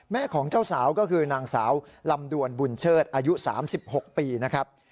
ของเจ้าสาวก็คือนางสาวลำดวนบุญเชิดอายุ๓๖ปีนะครับ